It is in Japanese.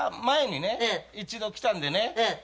前にね一度来たんでね。